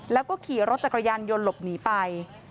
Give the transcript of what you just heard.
แล้วก็ขี่รถจักรยานยนต์หลบหนีไป